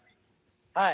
はい。